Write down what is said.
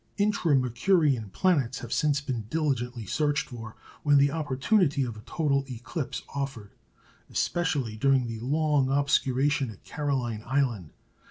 Intra Mercurian planets have since been diligently searched for when the opportunity of a total eclipse offered, especially during the long obscuration at Caroline Island.